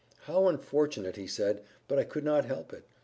"How unfortunate!" he said. "But I could not help it.